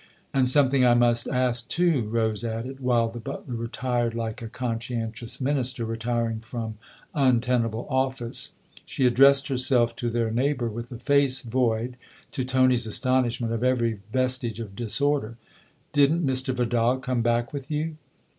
"And something I must ask too," Rose added, while the butler retired like a conscientious Minister retiring from untenable office. She addressed her self to their neighbour with a face void, to Tony's astonishment, of every vestige of disorder. " Didn't Mr. Vidal come back with you